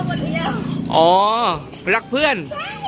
ดังงานดังงาน